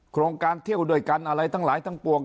โครงการเที่ยวด้วยกันอะไรทั้งหลายทั้งปวง